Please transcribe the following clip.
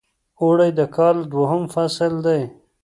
اوړی د کال دویم فصل دی .